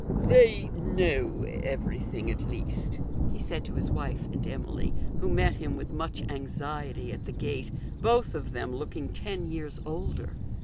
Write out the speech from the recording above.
" They know everything at least," he said to his wife and Emily, who met him with much anxiety at the gate, both of them looking ten years older.